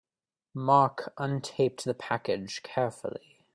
Mark untaped the package carefully.